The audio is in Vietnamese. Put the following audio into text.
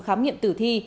khám nghiệm tử thi